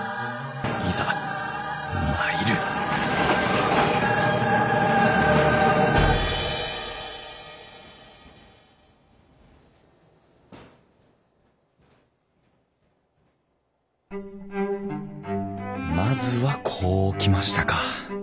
いざ参るまずはこう来ましたか。